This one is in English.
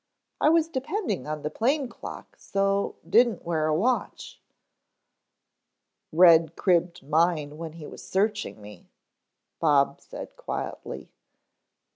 I was depending on the plane clock, so didn't wear a watch." "Red cribbed mine when he was searching me," Bob said quietly.